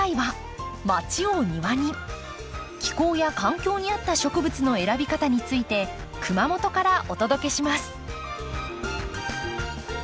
気候や環境に合った植物の選び方について熊本からお届けします。